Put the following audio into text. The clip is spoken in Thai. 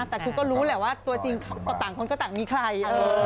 แต่คุณก็รู้แหละว่าตัวจริงต่างคนก็ต่างมีใคร